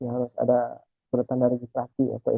ada surat tanda registrasi atau